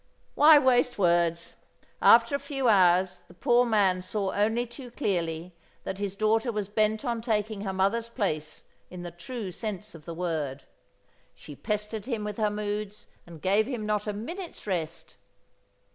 Why waste words? After a few hours the poor man saw only too clearly that his daughter was bent on taking her mother's place in the true sense of the word. She pestered him with her moods and gave him not a minute's rest.